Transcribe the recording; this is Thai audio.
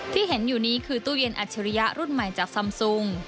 ที่เห็นอยู่นี้คือตู้เย็นอัจฉริยะรุ่นใหม่จากซำซุง